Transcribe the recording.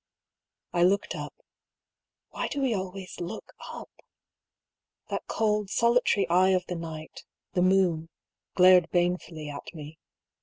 I looked up. (Why do we always look up?) That cold, solitary eye of the night — the moon — glared bane fnlly at me.